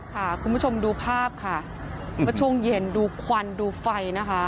ค่ะคุณผู้ชมดูภาพค่ะผู้ชมเย็นดูควันดูไฟนะคะ